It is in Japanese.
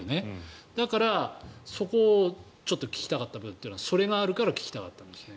だから、そこをちょっと聞きかったっていうのはそこがあるから聞きたかった。